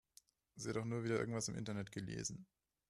Sie hat doch nur wieder irgendwas im Internet gelesen.